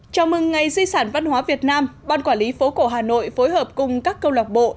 chào mừng ngày di sản văn hóa việt nam ban quản lý phố cổ hà nội phối hợp cùng các câu lạc bộ